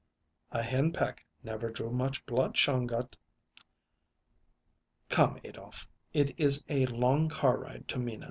"A henpeck never drew much blood, Shongut." "Come, Adolph; it is a long car ride to Meena's."